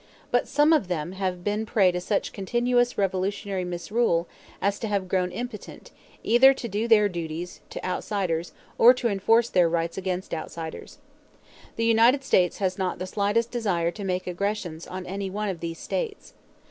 But some of them have been a prey to such continuous revolutionary misrule as to have grown impotent either to do their duties to outsiders or to enforce their rights against outsiders. The United States has not the slightest desire to make aggressions on any one of these states.